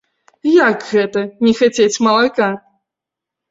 Як гэта не хацець малака!